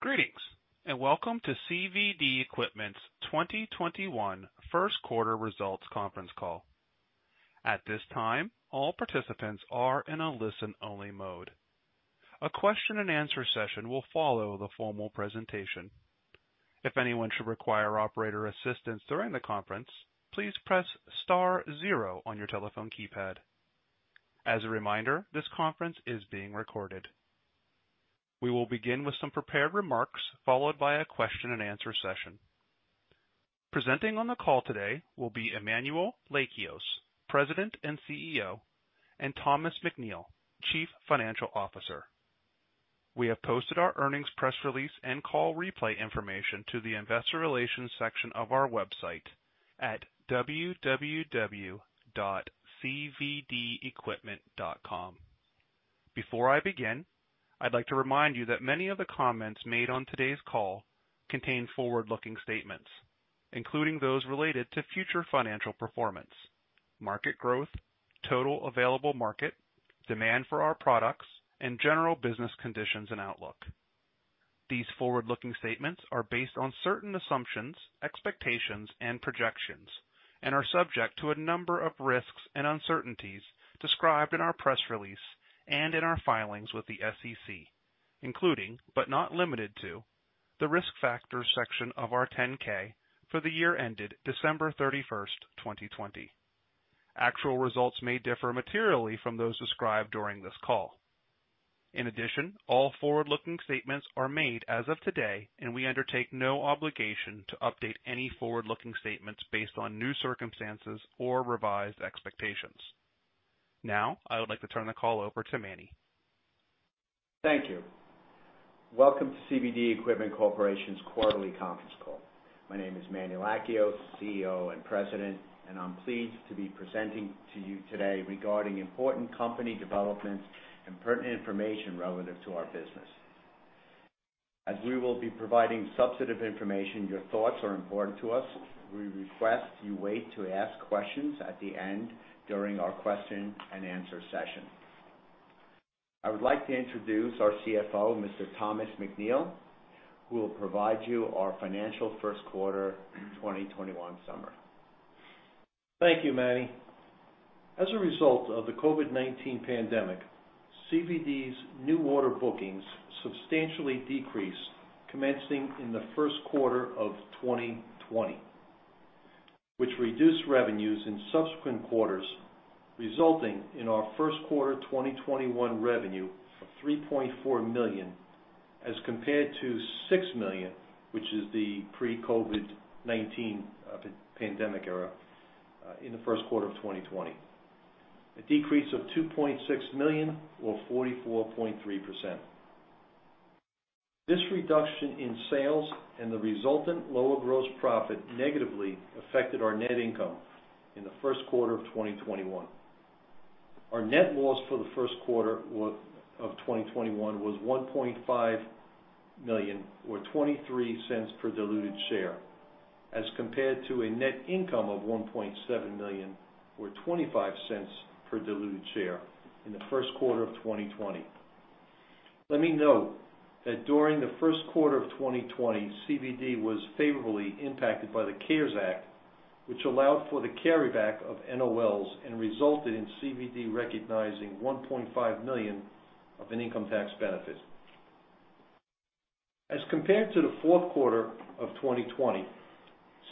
Greetings, and welcome to CVD Equipment's 2021 first quarter results conference call. At this time, all participants are in a listen-only mode. A question and answer session will follow the formal presentation. If anyone should require operator assistance during the conference, please press star zero on your telephone keypad. As a reminder, this conference is being recorded. We will begin with some prepared remarks, followed by a question and answer session. Presenting on the call today will be Emmanuel Lakios, President and CEO, and Thomas McNeill, Chief Financial Officer. We have posted our earnings press release and call replay information to the investor relations section of our website at www.cvdequipment.com. Before I begin, I'd like to remind you that many of the comments made on today's call contain forward-looking statements, including those related to future financial performance, market growth, total available market, demand for our products, and general business conditions and outlook. These forward-looking statements are based on certain assumptions, expectations, and projections, and are subject to a number of risks and uncertainties described in our press release and in our filings with the SEC, including, but not limited to, the Risk Factors section of our 10-K for the year ended December 31st, 2020. Actual results may differ materially from those described during this call. In addition, all forward-looking statements are made as of today, and we undertake no obligation to update any forward-looking statements based on new circumstances or revised expectations. Now, I would like to turn the call over to Manny. Thank you. Welcome to CVD Equipment Corporation's quarterly conference call. My name is Emmanuel Lakios, CEO and President, and I'm pleased to be presenting to you today regarding important company developments and pertinent information relative to our business. As we will be providing substantive information, your thoughts are important to us. We request you wait to ask questions at the end during our question and answer session. I would like to introduce our CFO, Mr. Thomas McNeill, who will provide you our financial first quarter 2021 summary. Thank you, Manny. As a result of the COVID-19 pandemic, CVD's new order bookings substantially decreased commencing in the first quarter of 2020, which reduced revenues in subsequent quarters, resulting in our first quarter 2021 revenue of $3.4 million as compared to $6 million, which is the pre-COVID-19 pandemic era, in the first quarter of 2020. A decrease of $2.6 million or 44.3%. This reduction in sales and the resultant lower gross profit negatively affected our net income in the first quarter of 2021. Our net loss for the first quarter of 2021 was $1.5 million or $0.23 per diluted share, as compared to a net income of $1.7 million or $0.25 per diluted share in the first quarter of 2020. Let me note that during the first quarter of 2020, CVD was favorably impacted by the CARES Act, which allowed for the carryback of NOLs and resulted in CVD recognizing $1.5 million of an income tax benefit. As compared to the fourth quarter of 2020,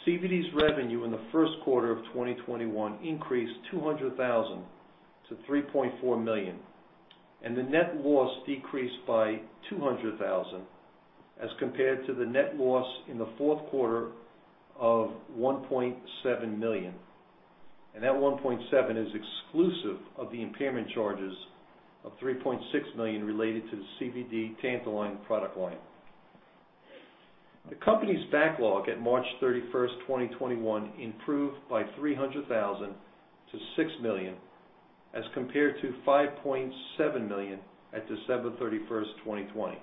CVD's revenue in the first quarter of 2021 increased $200,000 to $3.4 million, and the net loss decreased by $200,000 as compared to the net loss in the fourth quarter of $1.7 million. That $1.7 million is exclusive of the impairment charges of $3.6 million related to the CVD Tantaline product line. The company's backlog at March 31st, 2021, improved by $300,000 to $6 million as compared to $5.7 million at December 31st, 2020.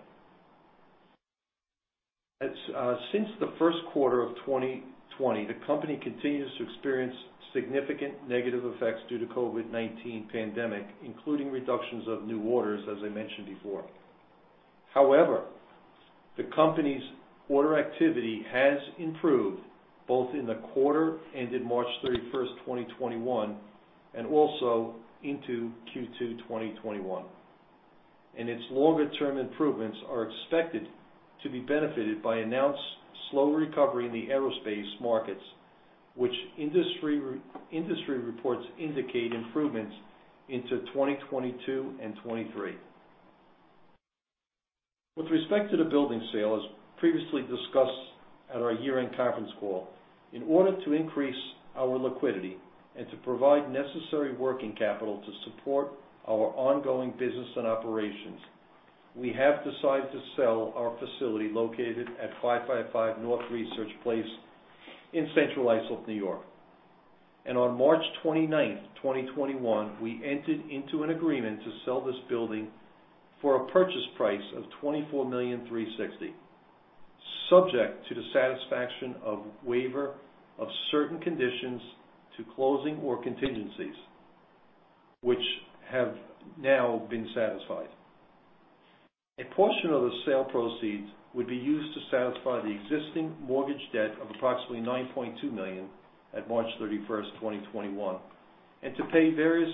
Since the first quarter of 2020, the company continues to experience significant negative effects due to COVID-19 pandemic, including reductions of new orders, as I mentioned before. However, the company's order activity has improved both in the quarter ended March 31, 2021, and also into Q2 2021, and its longer-term improvements are expected to be benefited by announced slow recovery in the aerospace markets, which industry reports indicate improvements into 2022 and 2023. With respect to the building sale, as previously discussed at our year-end conference call, in order to increase our liquidity and to provide necessary working capital to support our ongoing business and operations, we have decided to sell our facility located at 555 North Research Place in Central Islip, New York. On March 29, 2021, we entered into an agreement to sell this building for a purchase price of $24,360,000, subject to the satisfaction of waiver of certain conditions to closing or contingencies, which have now been satisfied. A portion of the sale proceeds would be used to satisfy the existing mortgage debt of approximately $9.2 million at March 31st, 2021, and to pay various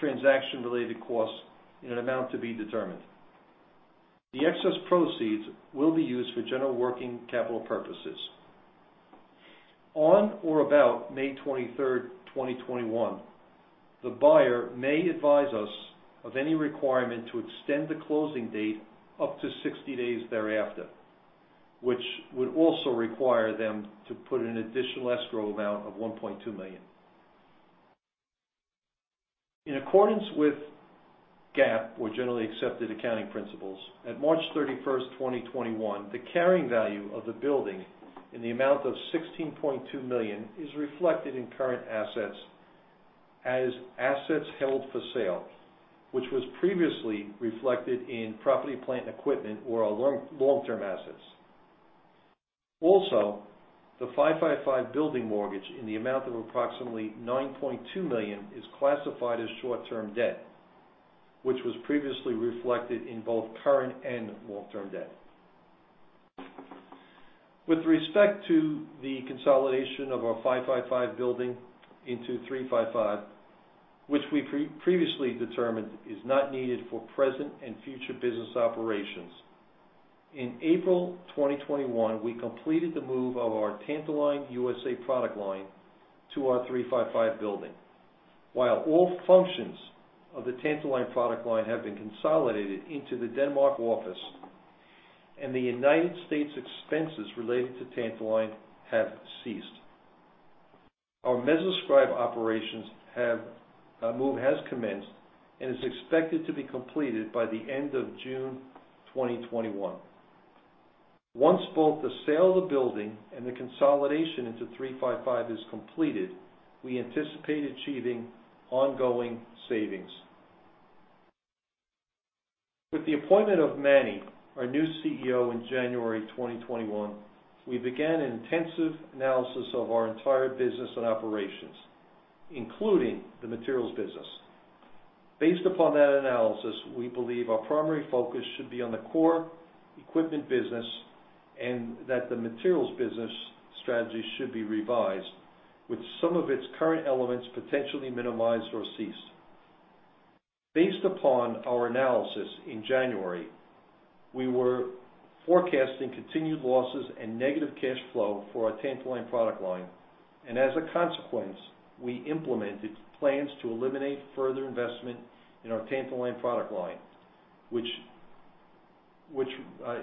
transaction-related costs in an amount to be determined. The excess proceeds will be used for general working capital purposes. On or about May 23rd, 2021, the buyer may advise us of any requirement to extend the closing date up to 60 days thereafter, which would also require them to put an additional escrow amount of $1.2 million. In accordance with GAAP, or generally accepted accounting principles, at March 31st, 2021, the carrying value of the building in the amount of $16.2 million is reflected in current assets as assets held for sale, which was previously reflected in property, plant, and equipment or our long-term assets. Also, the 555 building mortgage in the amount of approximately $9.2 million is classified as short-term debt, which was previously reflected in both current and long-term debt. With respect to the consolidation of our 555 building into 355, which we previously determined is not needed for present and future business operations, in April 2021, we completed the move of our Tantaline USA product line to our 355 building. While all functions of the Tantaline product line have been consolidated into the Denmark office, and the United States expenses related to Tantaline have ceased. Our MesoScribe operations move has commenced and is expected to be completed by the end of June 2021. Once both the sale of the building and the consolidation into 355 is completed, we anticipate achieving ongoing savings. With the appointment of Manny, our new CEO, in January 2021, we began an intensive analysis of our entire business and operations, including the materials business. Based upon that analysis, we believe our primary focus should be on the core equipment business, and that the materials business strategy should be revised with some of its current elements potentially minimized or ceased. Based upon our analysis in January, we were forecasting continued losses and negative cash flow for our Tantaline product line, and as a consequence, we implemented plans to eliminate further investment in our Tantaline product line, which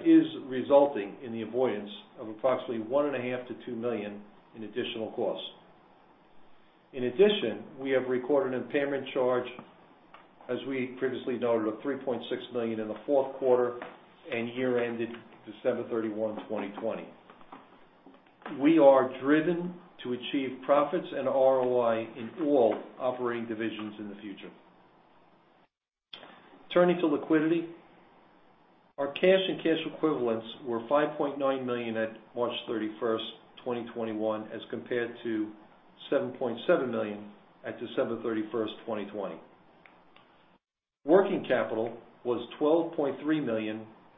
is resulting in the avoidance of approximately $1.5 million-$2 million in additional costs. In addition, we have recorded an impairment charge, as we previously noted, of $3.6 million in the fourth quarter and year-ended December 31, 2020. We are driven to achieve profits and ROI in all operating divisions in the future. Turning to liquidity, our cash and cash equivalents were $5.9 million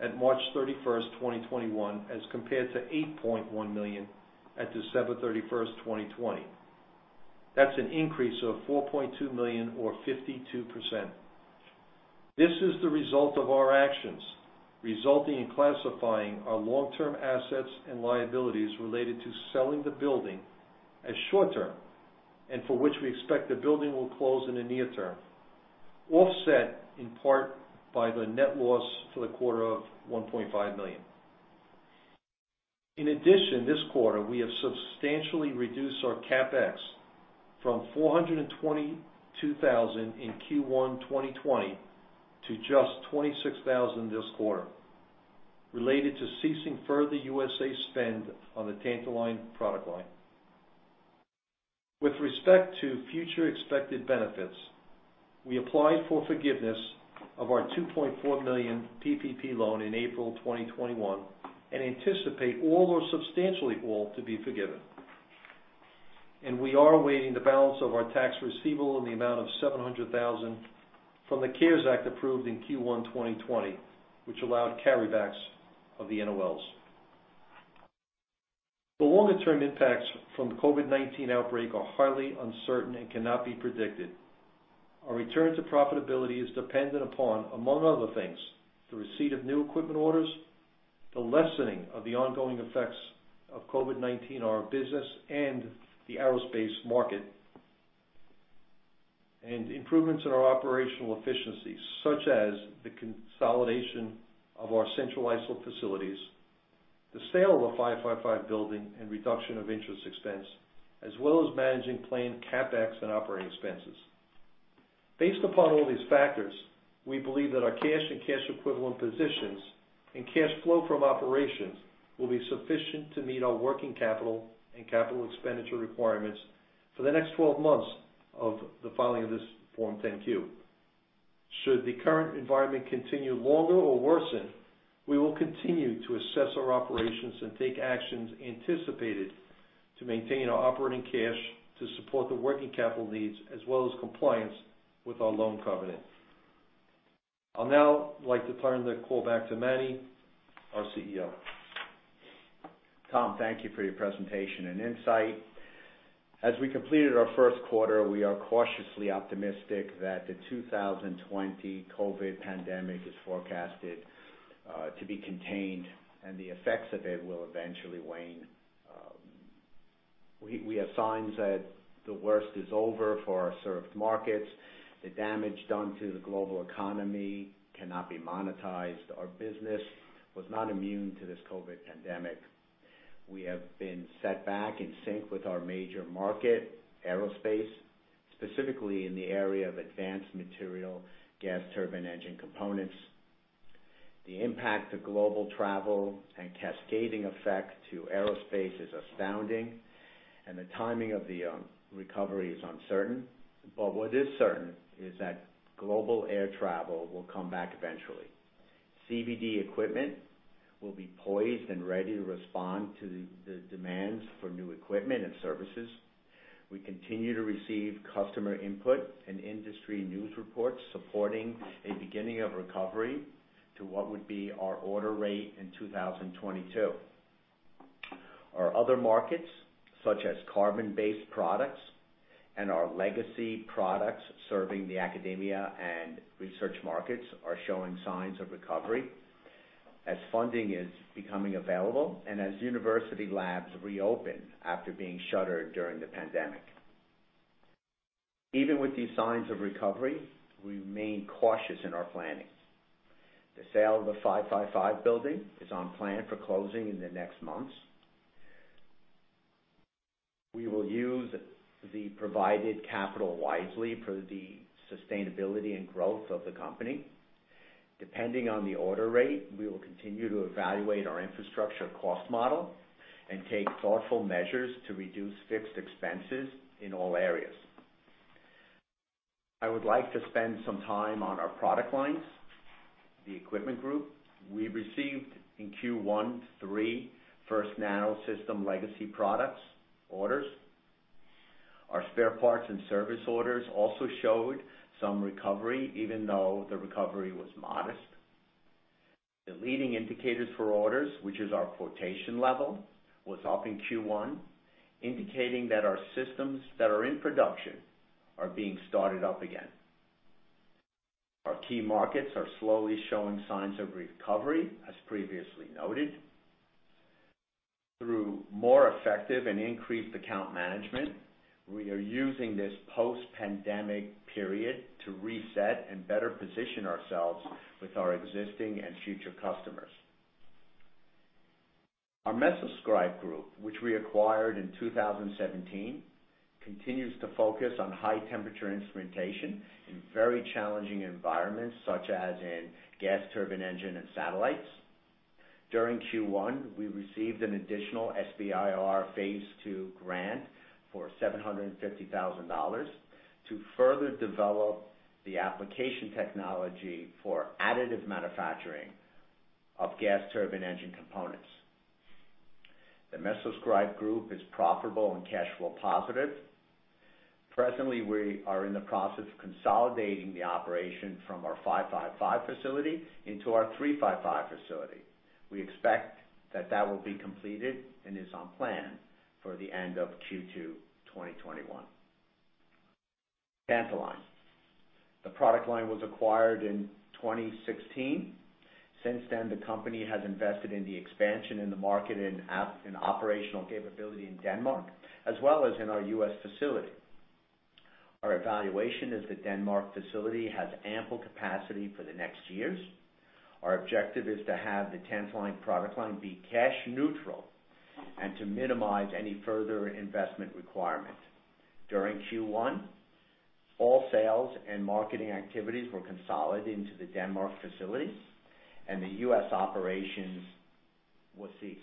at March 31st, 2021, as compared to $7.7 million at December 31st, 2020. Working capital was $12.3 million at March 31st, 2021, as compared to $8.1 million at December 31st, 2020. That's an increase of $4.2 million or 52%. This is the result of our actions resulting in classifying our long-term assets and liabilities related to selling the building as short-term, and for which we expect the building will close in the near term, offset in part by the net loss for the quarter of $1.5 million. In addition, this quarter, we have substantially reduced our CapEx from $422,000 in Q1 2020 to just $26,000 this quarter related to ceasing further U.S. spend on the Tantaline product line. With respect to future expected benefits, we applied for forgiveness of our $2.4 million PPP loan in April 2021 and anticipate all or substantially all to be forgiven. We are awaiting the balance of our tax receivable in the amount of $700,000 from the CARES Act approved in Q1 2020, which allowed carrybacks of the NOLs. The longer-term impacts from the COVID-19 outbreak are highly uncertain and cannot be predicted. Our return to profitability is dependent upon, among other things, the receipt of new equipment orders, the lessening of the ongoing effects of COVID-19 on our business and the aerospace market, and improvements in our operational efficiencies, such as the consolidation of our Central Islip facilities, the sale of the 555 building and reduction of interest expense, as well as managing planned CapEx and operating expenses. Based upon all these factors, we believe that our cash and cash equivalent positions and cash flow from operations will be sufficient to meet our working capital and capital expenditure requirements for the next 12 months of the filing of this Form 10-Q. Should the current environment continue longer or worsen, we will continue to assess our operations and take actions anticipated to maintain our operating cash to support the working capital needs as well as compliance with our loan covenant. I'll now like to turn the call back to Manny, our CEO. Tom, thank you for your presentation and insight. As we completed our first quarter, we are cautiously optimistic that the 2020 COVID pandemic is forecasted to be contained and the effects of it will eventually wane. We have signs that the worst is over for our served markets. The damage done to the global economy cannot be monetized. Our business was not immune to this COVID pandemic. We have been set back in sync with our major market, aerospace, specifically in the area of advanced material gas turbine engine components. The impact of global travel and cascading effect to aerospace is astounding, and the timing of the recovery is uncertain. What is certain is that global air travel will come back eventually. CVD Equipment will be poised and ready to respond to the demands for new equipment and services. We continue to receive customer input and industry news reports supporting a beginning of recovery to what would be our order rate in 2022. Our other markets, such as carbon-based products and our legacy products serving the academia and research markets, are showing signs of recovery as funding is becoming available and as university labs reopen after being shuttered during the pandemic. Even with these signs of recovery, we remain cautious in our planning. The sale of the 555 building is on plan for closing in the next months. We will use the provided capital wisely for the sustainability and growth of the company. Depending on the order rate, we will continue to evaluate our infrastructure cost model and take thoughtful measures to reduce fixed expenses in all areas. I would like to spend some time on our product lines. The equipment group, we received in Q1 three FirstNano System legacy products orders. Our spare parts and service orders also showed some recovery, even though the recovery was modest. The leading indicators for orders, which is our quotation level, was up in Q1, indicating that our systems that are in production are being started up again. Our key markets are slowly showing signs of recovery, as previously noted. Through more effective and increased account management, we are using this post-pandemic period to reset and better position ourselves with our existing and future customers. Our MesoScribe group, which we acquired in 2017, continues to focus on high-temperature instrumentation in very challenging environments, such as in gas turbine engine and satellites. During Q1, we received an additional SBIR Phase II grant for $750,000 to further develop the application technology for additive manufacturing of gas turbine engine components. The MesoScribe group is profitable and cash flow positive. Presently, we are in the process of consolidating the operation from our 555 facility into our 355 facility. We expect that that will be completed, and is on plan, for the end of Q2 2021. Tantaline. The product line was acquired in 2016. Since then, the company has invested in the expansion in the market and operational capability in Denmark, as well as in our U.S. facility. Our evaluation is that Denmark facility has ample capacity for the next years. Our objective is to have the Tantaline product line be cash neutral and to minimize any further investment requirement. During Q1, all sales and marketing activities were consolidated into the Denmark facilities, and the U.S. operations were ceased.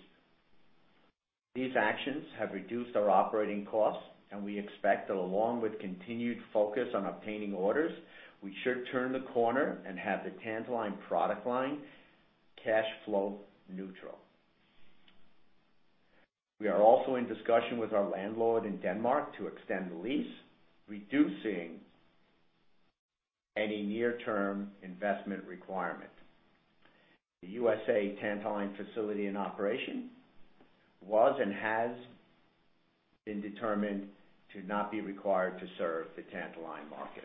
These actions have reduced our operating costs, and we expect that along with continued focus on obtaining orders, we should turn the corner and have the Tantaline product line cash flow neutral. We are also in discussion with our landlord in Denmark to extend the lease, reducing any near-term investment requirement. The U.S.A. Tantaline facility and operation was and has been determined to not be required to serve the Tantaline market.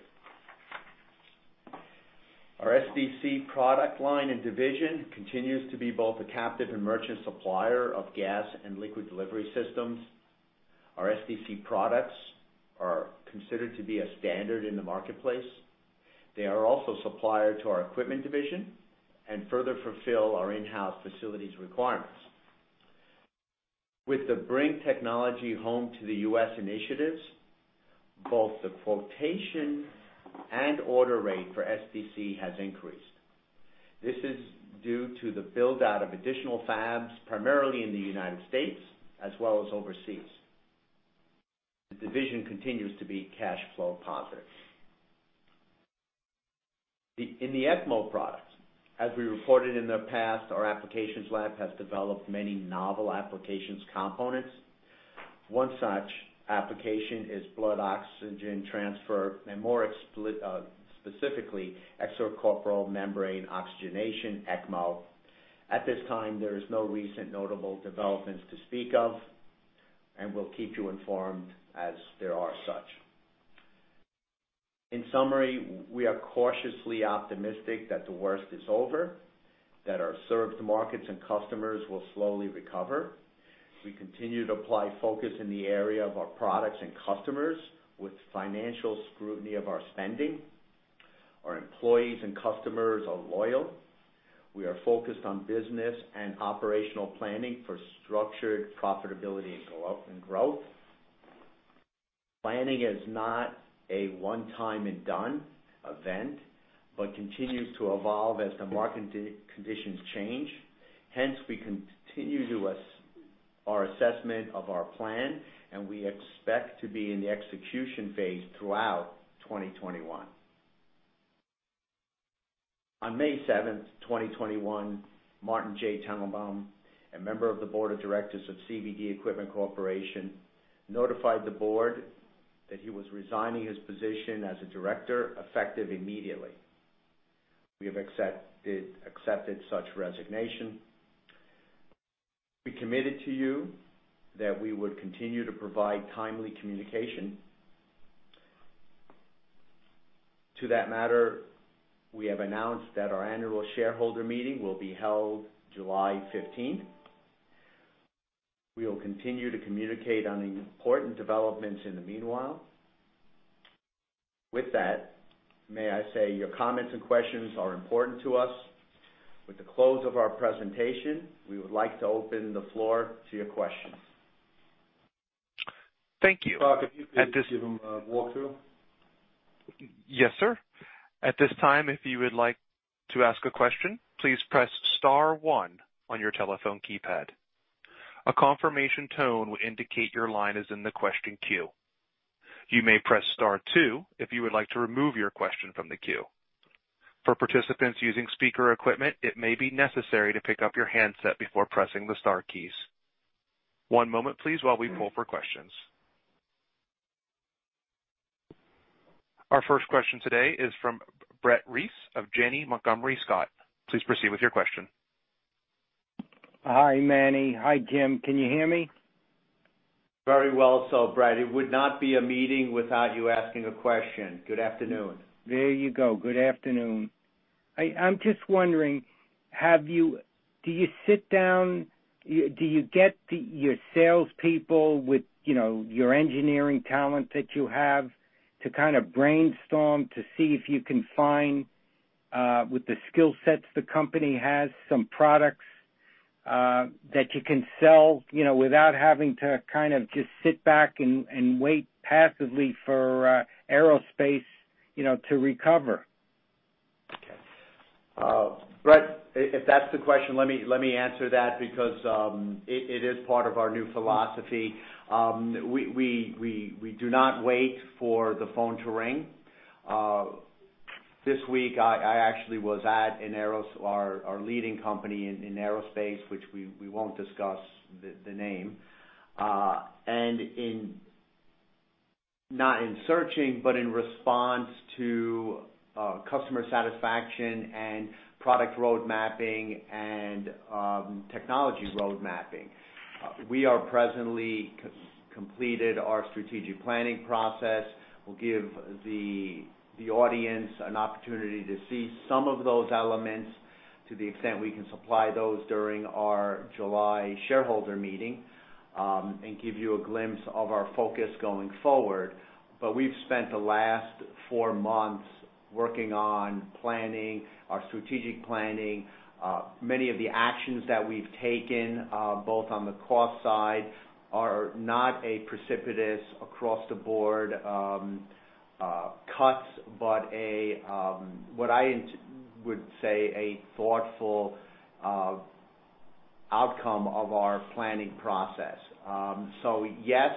Our SDC product line and division continues to be both a captive and merchant supplier of gas and liquid delivery systems. Our SDC products are considered to be a standard in the marketplace. They are also supplier to our equipment division and further fulfill our in-house facilities requirements. With the Bring Technology Home to the U.S. initiatives, both the quotation and order rate for SDC has increased. This is due to the build-out of additional fabs, primarily in the U.S., as well as overseas. The division continues to be cash flow positive. In the ECMO products, as we reported in the past, our applications lab has developed many novel applications components. One such application is blood oxygen transfer, and more specifically, extracorporeal membrane oxygenation, ECMO. At this time, there is no recent notable developments to speak of, and we'll keep you informed as there are such. In summary, we are cautiously optimistic that the worst is over, that our served markets and customers will slowly recover. We continue to apply focus in the area of our products and customers with financial scrutiny of our spending. Our employees and customers are loyal. We are focused on business and operational planning for structured profitability and growth. Planning is not a one-time-and-done event, but continues to evolve as the market conditions change. Hence, we continue our assessment of our plan, and we expect to be in the execution phase throughout 2021. On May 7th, 2021, Martin J. Teitelbaum, a member of the board of directors of CVD Equipment Corporation, notified the board that he was resigning his position as a director, effective immediately. We have accepted such resignation. We committed to you that we would continue to provide timely communication. To that matter, we have announced that our annual shareholder meeting will be held July 15th. We will continue to communicate on important developments in the meanwhile. With that, may I say your comments and questions are important to us. With the close of our presentation, we would like to open the floor to your questions. Thank you. Chuck, if you could give them a walkthrough. Yes, sir. At this time, if you would like to ask a question, please press star one on your telephone keypad. A confirmation tone will indicate your line is in the question queue. You may press star two if you would like to remove your question from the queue. For participants using speaker equipment, it may be necessary to pick up your handset before pressing the star keys. One moment please, while we poll for questions. Our first question today is from Brett Reese of Janney Montgomery Scott. Please proceed with your question. Hi, Manny. Hi, Tom McNeill. Can you hear me? Very well. Brett, it would not be a meeting without you asking a question. Good afternoon. There you go. Good afternoon. I'm just wondering, do you get your salespeople with your engineering talent that you have to kind of brainstorm to see if you can find, with the skill sets the company has, some products that you can sell, without having to kind of just sit back and wait passively for aerospace to recover? Okay. Brett, if that's the question, let me answer that because it is part of our new philosophy. We do not wait for the phone to ring. This week, I actually was at our leading company in aerospace, which we won't discuss the name. Not in searching, but in response to customer satisfaction and product road mapping and technology road mapping. We are presently completed our strategic planning process. We'll give the audience an opportunity to see some of those elements to the extent we can supply those during our July shareholder meeting, and give you a glimpse of our focus going forward. We've spent the last four months working on planning our strategic planning. Many of the actions that we've taken, both on the cost side, are not a precipitous across the board cuts, but what I would say, a thoughtful outcome of our planning process. Yes,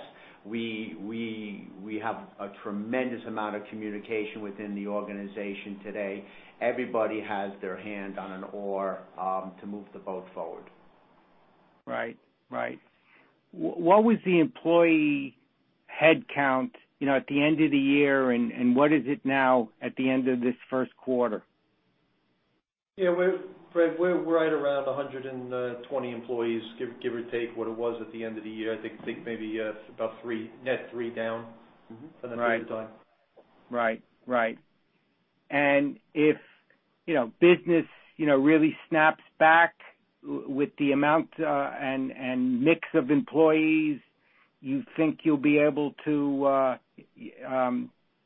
we have a tremendous amount of communication within the organization today. Everybody has their hand on an oar to move the boat forward. What was the employee headcount at the end of the year, and what is it now at the end of this first quarter? Yeah, Brett, we're right around 120 employees, give or take what it was at the end of the year. I think maybe about net three down from that period of time. Right. If business really snaps back with the amount and mix of employees, you think you'll be able to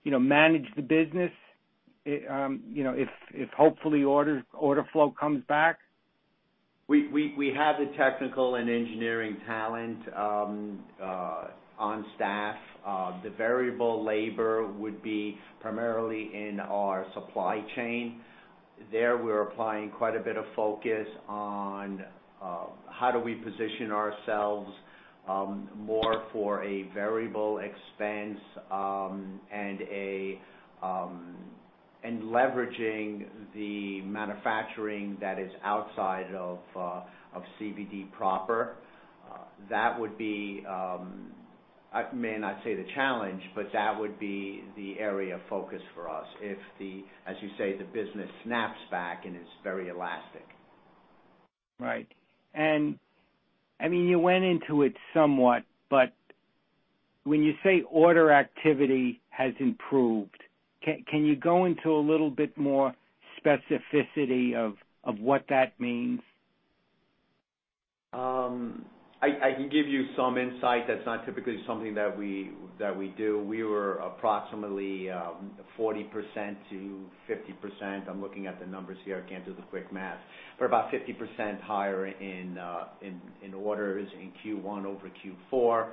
manage the business, if hopefully order flow comes back? We have the technical and engineering talent on staff. The variable labor would be primarily in our supply chain. There we're applying quite a bit of focus on how do we position ourselves more for a variable expense, and leveraging the manufacturing that is outside of CVD proper. That would be, may not say the challenge, but that would be the area of focus for us if the, as you say, the business snaps back and is very elastic. Right. You went into it somewhat, but when you say order activity has improved, can you go into a little bit more specificity of what that means? I can give you some insight. That's not typically something that we do. We were approximately 40%-50%, I'm looking at the numbers here, I can't do the quick math, but about 50% higher in orders in Q1 over Q4.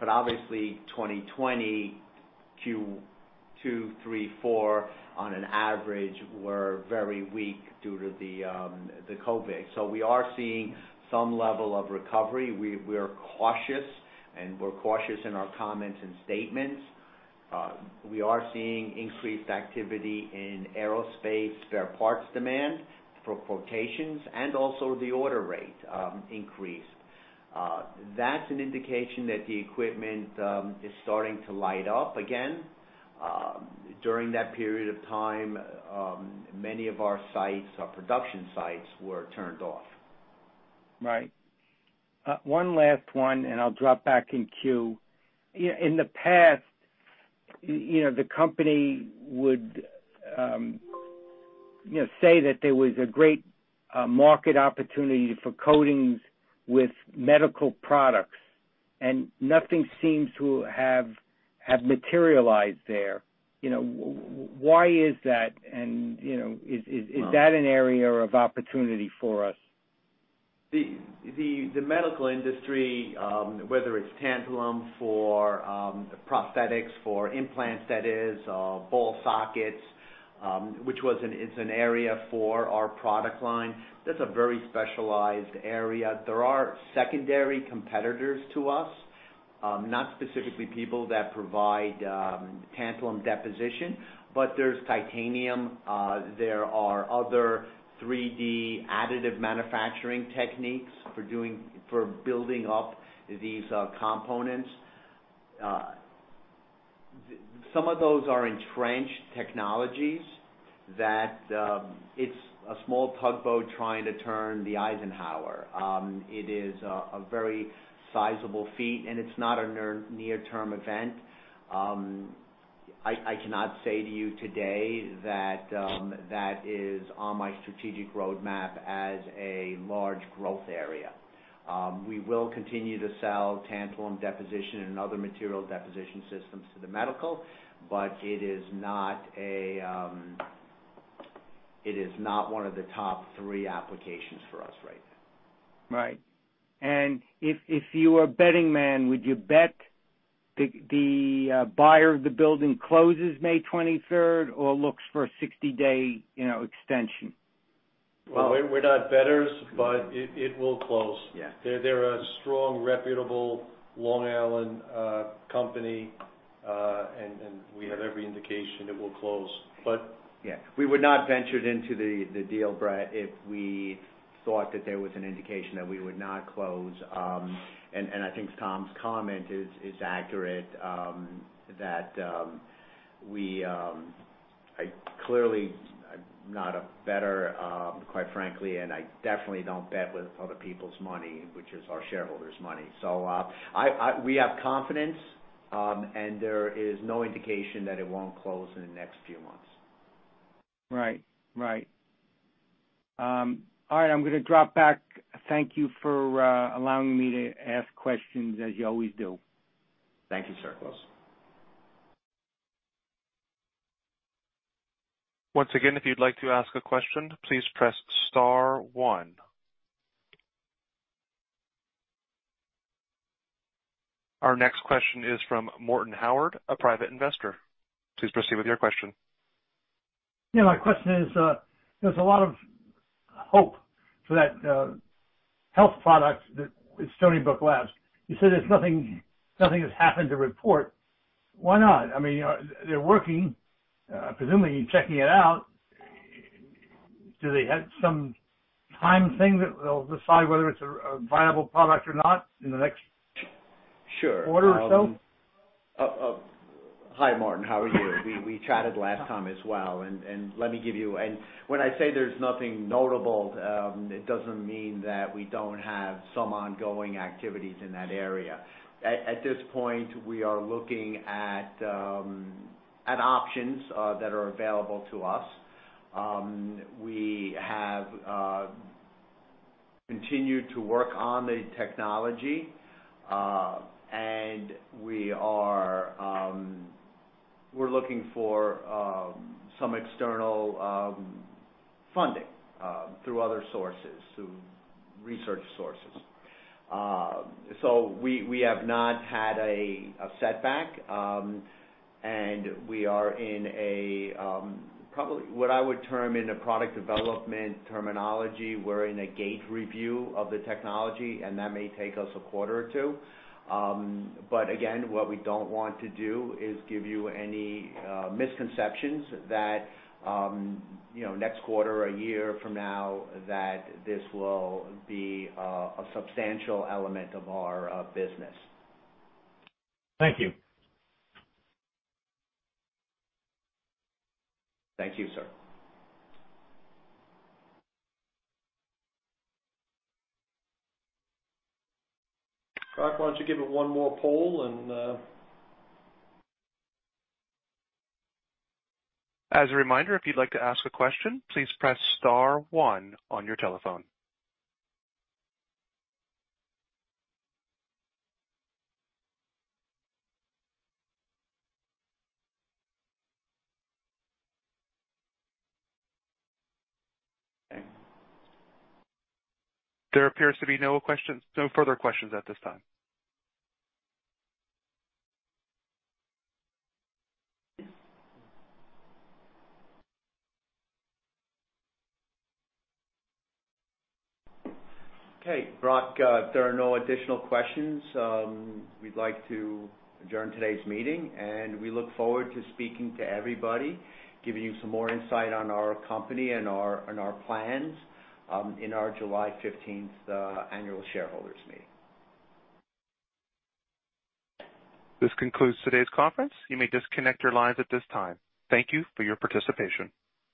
Obviously 2020 Q2, Q3, Q4 on an average were very weak due to the COVID-19. We are seeing some level of recovery. We are cautious, and we're cautious in our comments and statements. We are seeing increased activity in aerospace spare parts demand for quotations and also the order rate increase. That's an indication that the equipment is starting to light up again. During that period of time, many of our sites, our production sites, were turned off. Right. One last one. I'll drop back in queue. In the past, the company would say that there was a great market opportunity for coatings with medical products. Nothing seems to have materialized there. Why is that? Is that an area of opportunity for us? The medical industry, whether it's tantalum for prosthetics, for implants that is, ball sockets, which it's an area for our product line. That's a very specialized area. There are secondary competitors to us. Not specifically people that provide tantalum deposition, but there's titanium. There are other 3D additive manufacturing techniques for building up these components. Some of those are entrenched technologies that it's a small tugboat trying to turn the Eisenhower. It is a very sizable feat, and it's not a near-term event. I cannot say to you today that is on my strategic roadmap as a large growth area. We will continue to sell tantalum deposition and other material deposition systems to the medical, but it is not one of the top three applications for us right now. Right. If you were a betting man, would you bet the buyer of the building closes May 23rd or looks for a 60-day extension? We're not bettors, but it will close. Yeah. They're a strong, reputable Long Island company, and we have every indication it will close. Yeah. We would not ventured into the deal, Brett, if we thought that there was an indication that we would not close. I think Tom's comment is accurate, that I clearly am not a bettor, quite frankly, and I definitely don't bet with other people's money, which is our shareholders' money. We have confidence, and there is no indication that it won't close in the next few months. Right. All right. I'm going to drop back. Thank you for allowing me to ask questions as you always do. Thank you, Sir. Once again, if you'd like to ask a question, please press star one. Our next question is from Morton Howard, a private investor. Please proceed with your question. Yeah, my question is, there's a lot of hope for that health product at Stony Brook University. You say there's nothing that's happened to report. Why not? They're working, presumably you're checking it out. Do they have some time thing that they'll decide whether it's a viable product or not in the next? Sure quarter or so? Hi, Martin. How are you? We chatted last time as well. When I say there's nothing notable, it doesn't mean that we don't have some ongoing activities in that area. At this point, we are looking at options that are available to us. We have continued to work on the technology, and we're looking for some external funding through other sources, through research sources. We have not had a setback, and we are in a, probably what I would term in a product development terminology, we're in a gate review of the technology, and that may take us a quarter or two. Again, what we don't want to do is give you any misconceptions that next quarter or a year from now that this will be a substantial element of our business. Thank you. Thank you, sir. Brock, why don't you give it one more poll and As a reminder, if you'd like to ask a question, please press star one on your telephone. There appears to be no further questions at this time. Okay. Brock, if there are no additional questions, we'd like to adjourn today's meeting, and we look forward to speaking to everybody, giving you some more insight on our company and our plans in our July 15th annual shareholders meeting. This concludes today's conference. You may disconnect your lines at this time. Thank you for your participation.